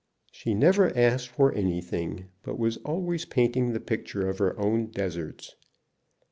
She never asked for anything, but was always painting the picture of her own deserts.